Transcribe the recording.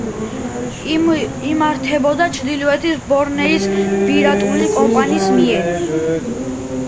იმართებოდა ჩრდილოეთი ბორნეოს ბრიტანული კომპანიის მიერ.